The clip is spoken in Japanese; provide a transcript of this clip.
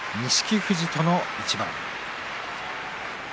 富士との一番です。